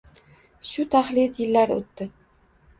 Shu taxlit yillar oʻtdi